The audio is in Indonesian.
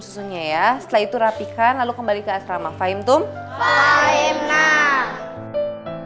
susunya ya setelah itu rapikan lalu kembali ke asrama fahim tum fahim nah